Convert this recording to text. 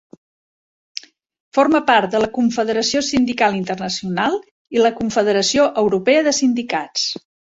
Forma part de la Confederació Sindical Internacional i la Confederació Europea de Sindicats.